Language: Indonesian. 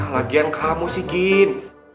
lagian kamu sih gin